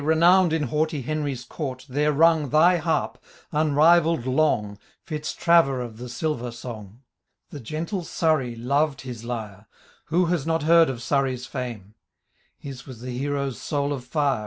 Renowned in haughty Henry's court fhere rung thy harp, uniivall'd long, Fitztraver of the silver song ! The gentle Surrey loved his lyro — Who has not heard of Surrey's fitme I* ' His was the hero's soul of fire.